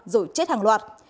rồi chết hàng loạt